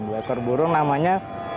dua ekor burung namanya